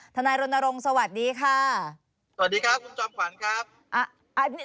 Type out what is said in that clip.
นายรณรงค์สวัสดีค่ะสวัสดีครับคุณจอมขวัญครับ